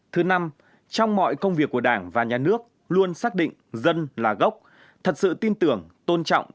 thứ năm trong mọi công việc của đảng và nhà nước luôn xác định dân là gốc thật sự tin tưởng tôn trọng